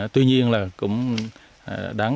tuy nhiên là cũng đáng